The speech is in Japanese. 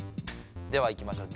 ではいきましょう。